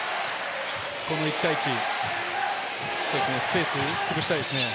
この１対１、スペースを潰したいですね。